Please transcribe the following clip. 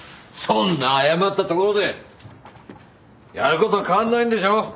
そんな謝ったところでやることは変わんないんでしょ。